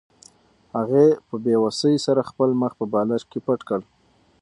هغې په بې وسۍ سره خپل مخ په بالښت کې پټ کړ.